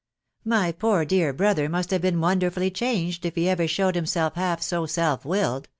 " My poor dear brother must have been wonderfully changed if he ever showed himself half so self willed